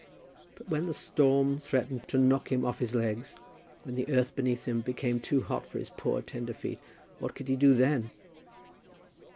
But when the storm threatened to knock him off his legs, when the earth beneath him became too hot for his poor tender feet, what could he do then?